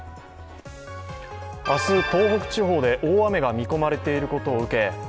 明日、東北地方で大雨が見込まれていることを受け